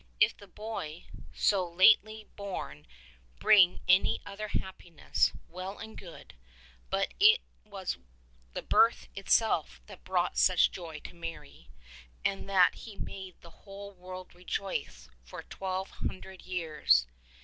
If the Boy so lately born bring any other happiness, well and good; but it was the birth itself that brought such joy to Mary, and that has made the whole world rejoice for twelve hundred years.